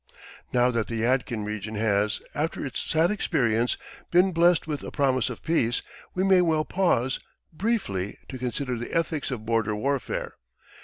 Now that the Yadkin region has, after its sad experience, been blessed with a promise of peace, we may well pause, briefly to consider the ethics of border warfare.